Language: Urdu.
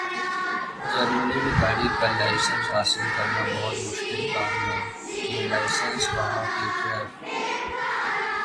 ۔جرمنی میں گاڑی کا لائسنس حاصل کرنا بہت مشکل کام ہے۔ یہ لائسنس وہاں کی ٹریف